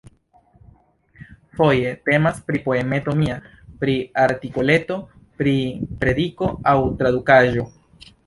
Foje temas pri poemeto mia, pri artikoleto, pri prediko aŭ tradukaĵo.